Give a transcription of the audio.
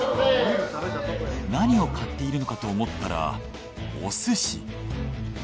何を買っているのかと思ったらお寿司。